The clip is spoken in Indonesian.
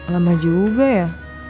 lama juga ya